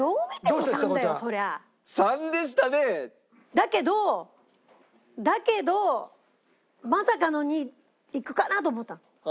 だけどだけどまさかの２いくかなと思ったの。